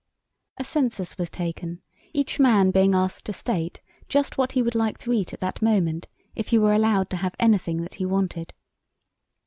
A census was taken, each man being asked to state just what he would like to eat at that moment if he were allowed to have anything that he wanted.